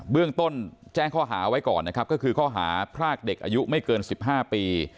เรื่องต้นแจ้งข้อหาไว้ก่อนนะครับก็คือข้อหาพรากเด็กอายุไม่เกิน๑๕ปี